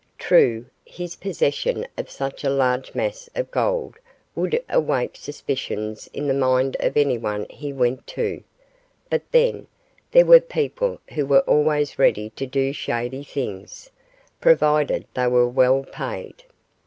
True, his possession of such a large mass of gold would awake suspicions in the mind of anyone he went to; but then, there were people who were always ready to do shady things, provided they were well paid.